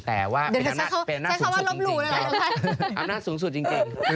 แต่ว่าเป็นอำนาจสูงสุดจริง